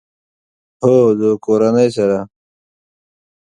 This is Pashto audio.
هو، د کورنۍ سره